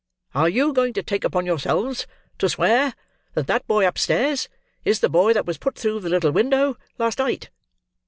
Are you going to take upon yourselves to swear, that that boy upstairs is the boy that was put through the little window last night?